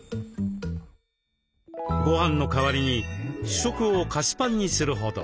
ごはんの代わりに主食を菓子パンにするほど。